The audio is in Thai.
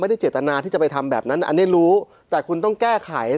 เจตนาที่จะไปทำแบบนั้นอันนี้รู้แต่คุณต้องแก้ไข